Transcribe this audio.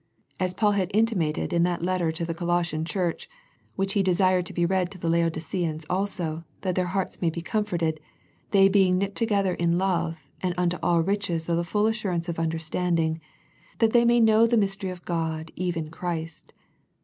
As Paul had in timated in that letter to the Colossian church, which he desired to be read to the Laodiceans also " that their hearts may be comforted, they being knit together in love, and unto all riches of the full assurance of understanding, that they may know the mystery of God even Christ."